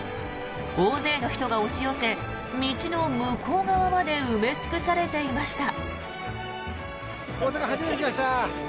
大勢の人が押し寄せ道の向こう側まで埋め尽くされていました。